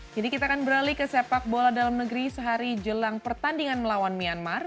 jadi kita akan beralih ke sepak bola dalam negeri sehari jelang pertandingan melawan myanmar